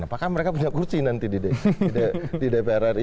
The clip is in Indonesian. apakah mereka punya kursi nanti di dpr ri